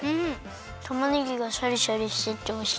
たまねぎがシャリシャリしてておいしい。